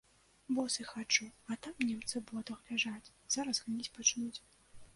Босы хаджу, а там немцы ў ботах ляжаць, зараз гніць пачнуць.